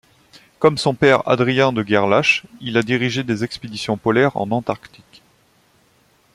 Comme son père Adrien de Gerlache, il a dirigé des expéditions polaires en Antarctique.